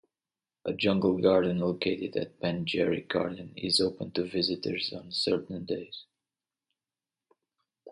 A jungle garden located at Penjerrick Garden is open to visitors on certain days.